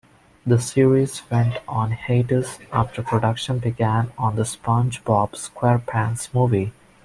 The series went on hiatus after production began on "The SpongeBob SquarePants Movie".